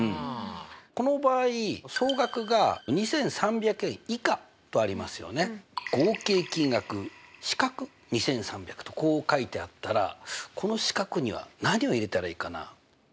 この場合総額が２３００円以下とありますよね。とこう書いてあったらこの四角には何を入れたらいいかな？